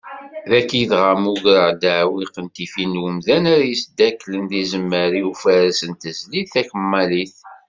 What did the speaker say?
Dagi dɣa mmugreɣ-d aɛewwiq n tifin n umdan ara d-yesdakklen tizemmar i ufares n tezlit takemmalit.